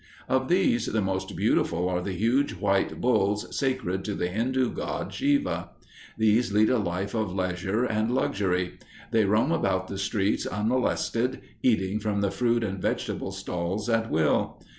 Of these, the most beautiful are the huge white bulls sacred to the Hindu god Shiva. These lead a life of leisure and luxury. They roam about the streets unmolested, eating from the fruit and vegetable stalls at will.